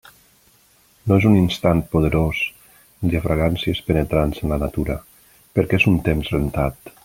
No és un instant poderós, ni de fragàncies penetrants en la natura, perquè és un temps rentat.